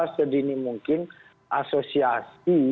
sedini mungkin asosiasi